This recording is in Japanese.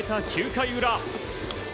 ９回裏。